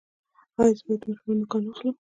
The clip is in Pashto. ایا زه باید د ماشوم نوکان واخلم؟